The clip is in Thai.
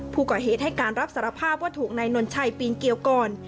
ผู้ก่อเหตุให้การรับสารภาพว่าถูกนายนนชัยปีนเกียวก่อน